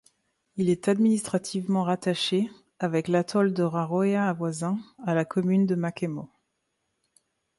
Il est administrativement rattaché, avec l'atoll de Raroia voisin, à la commune de Makemo.